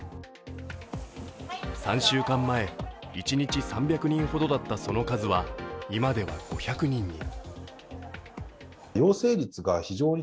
３週間前、一日３００人ほどだったその数は今では５００人に。